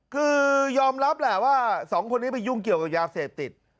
คือยอมรับแหละว่าสองคนนี้ไปยุ่งเกี่ยวกับยาเสพติด